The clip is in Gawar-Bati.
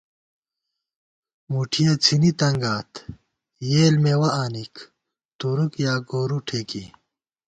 مُٹھیَہ څِھنی تنگات یېل مېوَہ آنِک تُرُک یا گورُو ٹھېکی